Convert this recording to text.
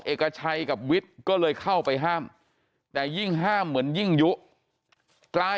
เอกชัยกับวิทย์ก็เลยเข้าไปห้ามแต่ยิ่งห้ามเหมือนยิ่งยุกลาย